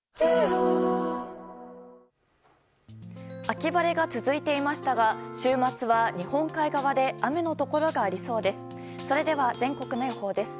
秋晴れが続いていましたが週末は日本海側で雨のところがありそうです。